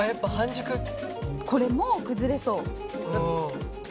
これもう崩れそう。